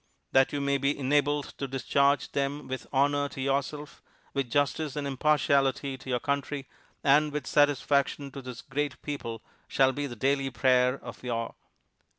That you may be enabled to discharge them with honor to yourself, with justice and impartiality to your country, and with satisfaction to this great people, shall be the daily prayer of your "A.